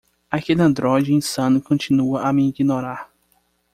Aquele androide insano continua a me ignorar.